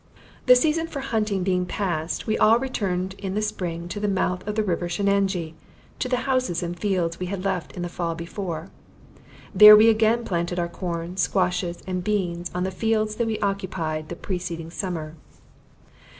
The season for hunting being passed, we all returned in the spring to the mouth of the river Shenanjee, to the houses and fields we had left in the fall before. There we again planted our corn, squashes, and beans, on the fields that we occupied the preceding summer.